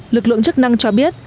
lực lượng chức năng cho biết